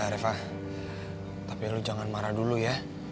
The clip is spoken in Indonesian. reva tapi lo jangan marah dulu ya